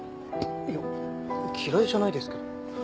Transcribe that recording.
いや嫌いじゃないですけど。